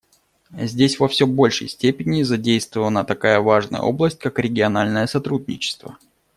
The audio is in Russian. Здесь во все большей степени задействована такая важная область, как региональное сотрудничество.